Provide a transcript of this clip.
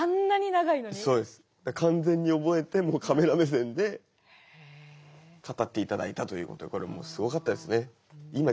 完全に覚えてカメラ目線で語っていただいたということでこれもうすごかったですね。